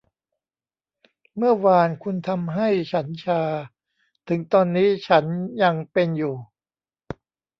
เมื่อวานคุณทำให้ฉันชา ถึงตอนนี้ฉันยังเป็นอยู่